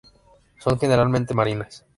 Son generalmente marinas.